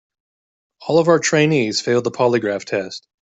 All of our trainees failed the polygraph test.